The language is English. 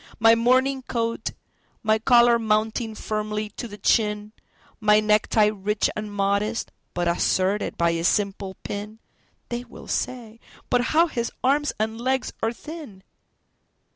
My morning coat, my collar mounting firmly to the chin, My necktie rich and modest, but asserted by a simple pin—(They will say: "But how his arms and legs are thin!")